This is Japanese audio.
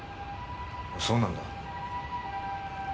そうなんだ。